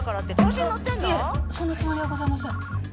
いえそんなつもりはございません。